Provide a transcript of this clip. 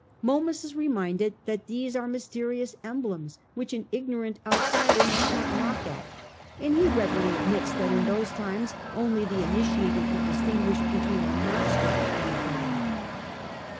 Momus is reminded that these are mysterious emblems, which an ignorant outsider must not mock at, and he readily admits that in those times only the initiated could distinguish between a monster and a god.